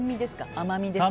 甘みですか？